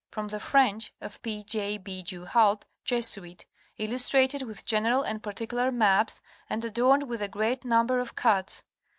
From the French of P. J. B. Du Halde, Jesuit. Illustrated with general and particular maps, and adorned with a great number of cuts.